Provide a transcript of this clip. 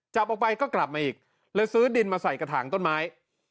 จับออกไปก็กลับมาอีกเลยซื้อดินมาใส่กระถางต้นไม้